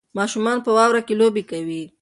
ماشومان په واوره کې لوبې کوي.